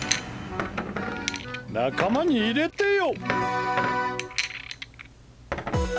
仲間に入れてよ！